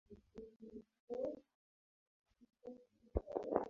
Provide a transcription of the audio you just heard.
kuwa Wakristo Lakini yakageuka kampeni kwa ajili ya Ukristo